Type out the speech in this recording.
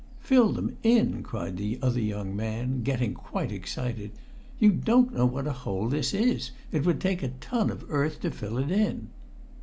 "Fill them in!" cried the other young man, getting quite excited. "You don't know what a hole this is; it would take a ton of earth to fill it in."